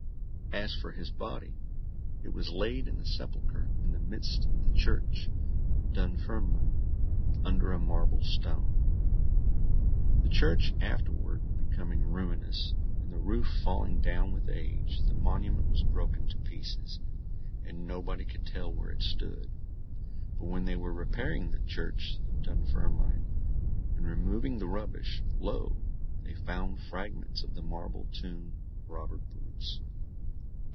As for his body, it was laid in the sepulchre in the midst of the church of Dunfermline, under a marble stone. The church afterward becoming ruinous, and the roof falling down with age, the monument was broken to pieces, and nobody could tell where it stood. But when they were repairing the church at Dunfermline, and removing the rubbish, lo! they found fragments of the marble tomb of Robert Bruce.